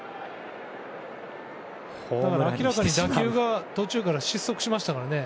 明らかに打球が途中から失速しましたよね。